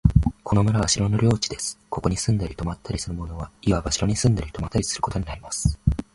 この村は城の領地です。ここに住んだり泊ったりする者は、いわば城に住んだり泊ったりすることになります。